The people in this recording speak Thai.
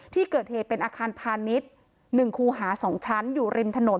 ที่เกิดเหตุเป็นอาคารพาณิชย์๑คูหา๒ชั้นอยู่ริมถนน